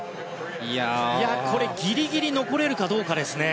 ギリギリ残れるかどうかですね。